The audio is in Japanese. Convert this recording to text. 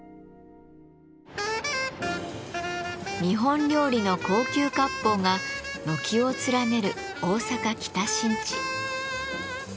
日本料理の高級割烹が軒を連ねる大阪・北新地。